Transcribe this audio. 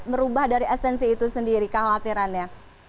merubah dari esensi itu sendiri kekhawatirannya